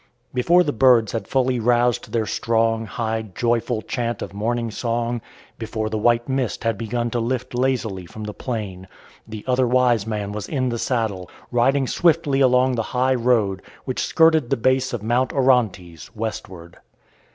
Before the birds had fully roused to their strong, high, joyful chant of morning song, before the white mist had begun to lift lazily from the plain, the other wise man was in the saddle, riding swiftly along the high road, which skirted the base of Mount Orontes, westward.